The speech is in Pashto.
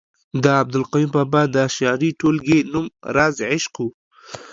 د عبدالقیوم بابا د شعري ټولګې نوم رازِ عشق ؤ